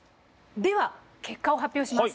では結果を発表します。